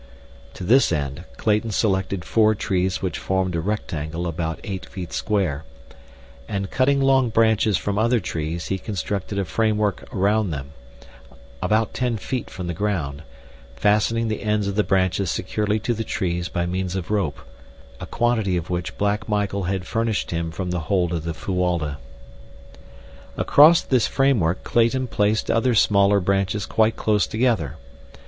To this end Clayton selected four trees which formed a rectangle about eight feet square, and cutting long branches from other trees he constructed a framework around them, about ten feet from the ground, fastening the ends of the branches securely to the trees by means of rope, a quantity of which Black Michael had furnished him from the hold of the Fuwalda. Across this framework Clayton placed other smaller branches quite close together.